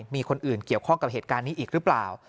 มีคนอื่นเกี่ยวข้องกับเหตุการณ์นี้อีกหรือเปล่า